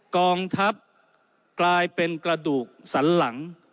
กองทัพกลายเป็นกระดูกสันหลัง